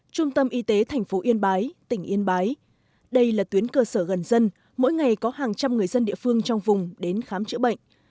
trung tâm y tế thành phố yên bái tỉnh yên bái đây là tuyến cơ sở gần dân mỗi ngày có hàng trăm người dân địa phương trong vùng đến khám chữa bệnh